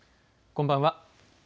こんばんは。